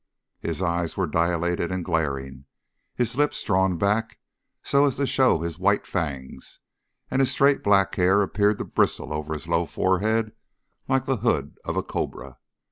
His eyes were dilated and glaring, his lips drawn back so as to show his white fangs, and his straight black hair appeared to bristle over his low forehead like the hood of a cobra.